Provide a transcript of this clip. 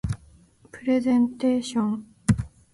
プレゼンテーション